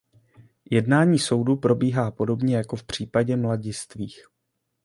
Jednání soudu probíhá podobně jako v případě mladistvých.